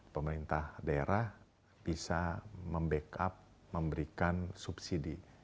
pemerintah daerah bisa membackup memberikan subsidi